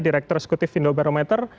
direktur eksekutif indobarometer